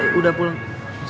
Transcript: ah belum belum